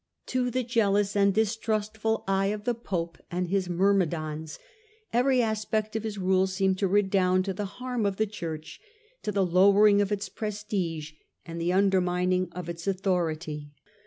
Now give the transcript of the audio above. To the jealous and distrustful eye of the Pope and his myrmidons, every aspect of his rule seemed to redound to the harm of the Church, to the lowering of its prestige and the undermining of its authority.